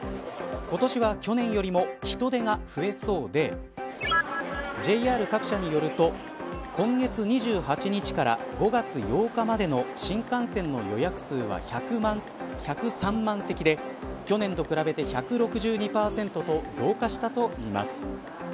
今年は去年よりも人出が増えそうでＪＲ各社によると今月２８日から５月８日までの新幹線の予約数は１０３万席で去年と比べて１６２％と増加したといいます。